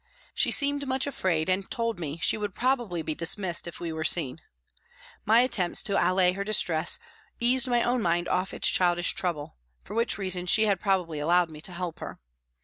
She seemed much afraid and told me she would probably be dismissed if we were seen. My attempts to allay her distress eased my own mind of its childish trouble, for which reason she had probably allowed me to help her.